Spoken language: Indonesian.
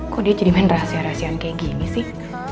kok dia jadikan rahasia rahasian kayak gini sih